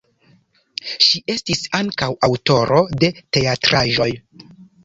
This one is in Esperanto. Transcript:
Ŝi estis ankaŭ aŭtoro de teatraĵoj.